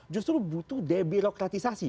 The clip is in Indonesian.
justru butuh debirokratisasi